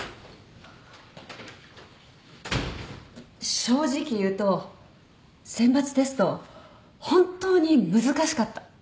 正直言うと選抜テスト本当に難しかった。